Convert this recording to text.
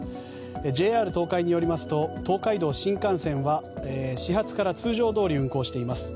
ＪＲ東海によりますと東海道新幹線は始発から通常どおり運行しています。